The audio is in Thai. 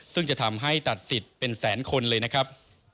ซึ่งจะทำให้ตัดสิทธิ์เป็นแสนคนเลยนะครับ